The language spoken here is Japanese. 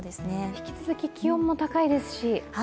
引き続き気温も高いですし。